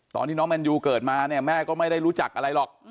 ตอนที่น้องแมนยูเกิดมาเนี่ยแม่ก็ไม่ได้รู้จักอะไรหรอก